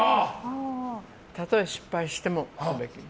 たとえ失敗してもすべき。